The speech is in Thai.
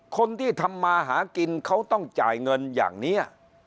คนที่ทำมาหากินเขาต้องจ่ายเงินอย่างนี้